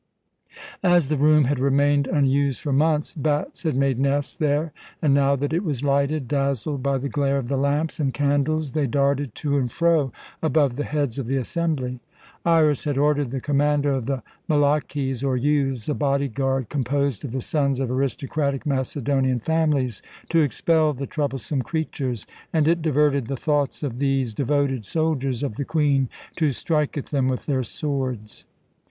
As the room had remained unused for months, bats had made nests there, and now that it was lighted, dazzled by the glare of the lamps and candles, they darted to and fro above the heads of the assembly. Iras had ordered the commander of the Mellakes, or youths, a body guard composed of the sons of aristocratic Macedonian families, to expel the troublesome creatures, and it diverted the thoughts of these devoted soldiers of the Queen to strike at them with their swords.